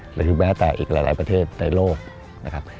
หรือแม้แต่อีกหลายประเทศในโลกนะครับ